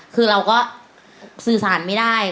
คือเราก็สื่อสารไม่ได้